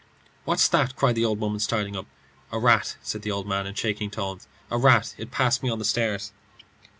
"What's that?" cried the old woman, starting up. "A rat," said the old man in shaking tones "a rat. It passed me on the stairs."